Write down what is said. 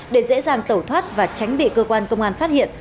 để dễ dàng tẩu thoát và tránh bị cơ quan công an phát hiện